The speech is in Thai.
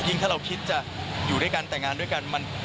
ถ้าเราคิดจะอยู่ด้วยกันแต่งงานด้วยกัน